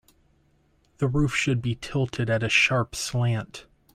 The roof should be tilted at a sharp slant.